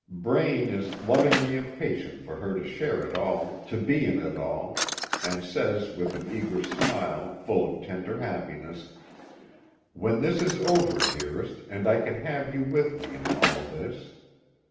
Braine is lovingly impatient for her to share it all, to be in it all, and says with an eager smile, full of tender happiness: "When this is over, dearest, and I can have you with me in all this!"